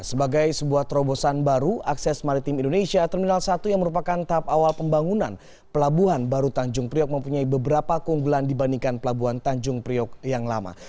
sebagai sebuah terobosan baru akses maritim indonesia terminal satu yang merupakan tahap awal pembangunan pelabuhan baru tanjung priok mempunyai beberapa keunggulan dibandingkan pelabuhan tanjung priok yang lama